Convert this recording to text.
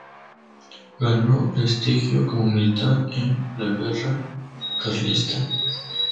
Ganó prestigio como militar en la Guerra Carlista.